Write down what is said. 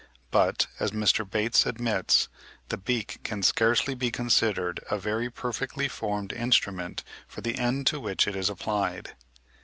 But, as Mr. Bates admits, the beak "can scarcely be considered a very perfectly formed instrument for the end to which it is applied."